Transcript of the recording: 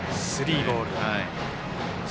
スリーボールです。